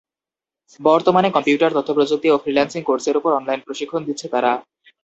বর্তমানে কম্পিউটার, তথ্যপ্রযুক্তি ও ফ্রিল্যান্সিং কোর্সের ওপর অনলাইন প্রশিক্ষণ দিচ্ছে তারা।